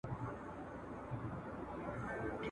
ړوند افغان دی له لېوانو نه خلاصیږي ..